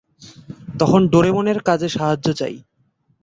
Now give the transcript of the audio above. তখন ডোরেমনের কাজে সাহায্য চাই।